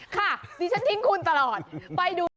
ค่ะดิฉันทิ้งคุณตลอดไปดู